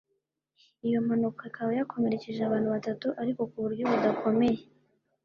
iyo mpanuka ikaba yakomerekeje abantu batatu ariko ku buryo budakomeye